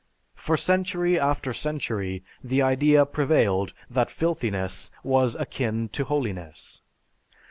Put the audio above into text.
For century after century the idea prevailed that filthiness was akin to holiness.